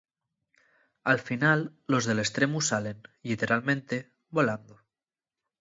Al final los del estremu salen, lliteralmente, volando.